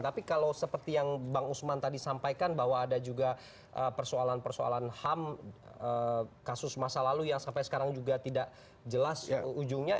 tapi kalau seperti yang bang usman tadi sampaikan bahwa ada juga persoalan persoalan ham kasus masa lalu yang sampai sekarang juga tidak jelas ujungnya